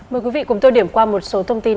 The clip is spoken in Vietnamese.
mời quý vị cùng tôi điểm qua một số thông tin